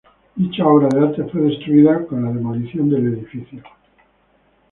Dicha obra de arte fue destruida con la demolición del edificio.